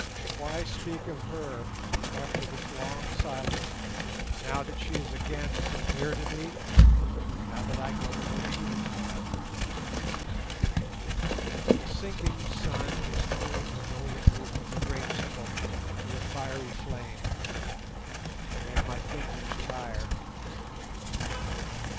Why speak of her after this long silence, now that she is again so near to me, now that I go where she has gone? The sinking sun is turning the golden roof of the great Temple to a fiery flame, and my fingers tire.